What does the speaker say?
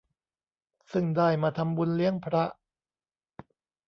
ซึ่งได้มาทำบุญเลี้ยงพระ